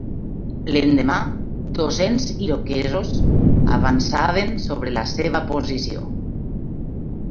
L'endemà, dos-cents iroquesos avançaven sobre la seva posició.